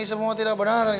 semua tidak benar ya mah teh